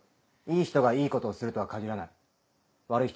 悪い人が悪いことをするとは限らない。